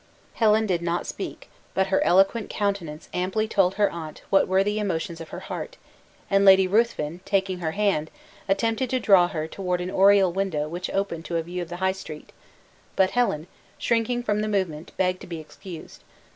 Helen did not speak, but her eloquent countenance amply told her aunt what were the emotions of her heart; and Lady Ruthven taking her hand, attempted to draw her toward an oriel window which opened to a view of the High Street; but Helen, shrinking from the movement, begged to be excused.